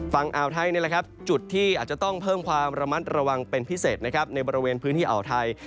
ฝั่งอ่าวไทยนี่แหละครับจุดที่อาจจะต้องเพิ่มความระมัดระวังเป็นพิเศษนะครับในบริเวณพื้นที่อ่าวไทย